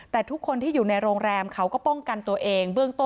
แต่ทุกคนในโรงแรมก็ป้องกัดตัวเอง